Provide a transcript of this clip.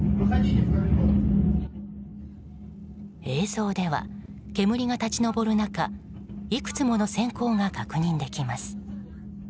映像では、煙が立ち上る中いくつもの閃光が確認できます。